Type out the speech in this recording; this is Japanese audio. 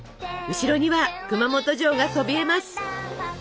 後ろには熊本城がそびえます！